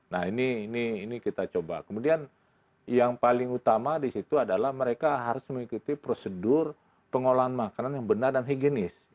nah ini kita coba kemudian yang paling utama disitu adalah mereka harus mengikuti prosedur pengolahan makanan yang benar dan higienis